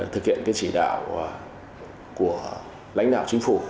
thực hiện chỉ đạo của lãnh đạo chính phủ